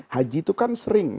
haji itu kan sering